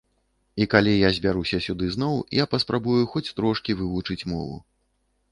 І калі я збяруся сюды зноў, я паспрабую хоць трошкі вывучыць мову.